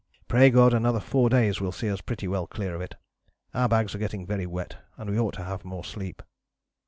Pray God another four days will see us pretty well clear of it. Our bags are getting very wet and we ought to have more sleep."